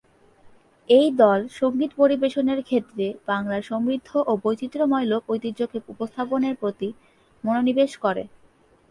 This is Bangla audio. এই দল সঙ্গীত পরিবেশনের ক্ষেত্রে বাংলার সমৃদ্ধ ও বৈচিত্র্যময় লোক ঐতিহ্যকে উপস্থাপনের প্রতি মনোনিবেশ করে।